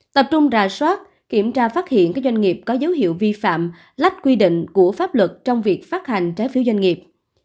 tập trung rà soát kiểm tra phát hiện các doanh nghiệp có dấu hiệu vi phạm lách quy định của pháp luật trong việc phát hành trái phiếu doanh nghiệp